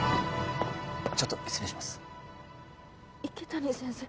ちょっと失礼します池谷先生？